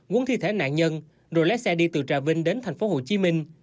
cuốn thi thể nạn nhân rồi lái xe đi từ trà binh đến tp hcm